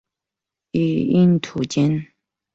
以应图谶。